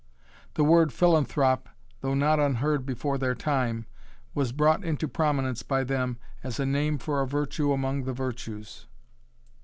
The word "philanthrop," though not unheard before their time, was brought into prominence by them as a name for a virtue among the virtues.